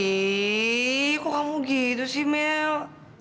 ibu kok kamu gitu sih mel